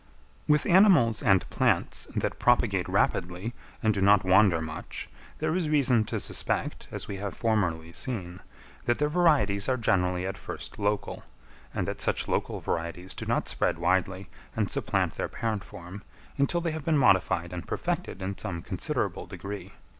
With animals and plants that propagate rapidly and do not wander much, there is reason to suspect, as we have formerly seen, that their varieties are generally at first local; and that such local varieties do not spread widely and supplant their parent form until they have been modified and perfected in some considerable degree.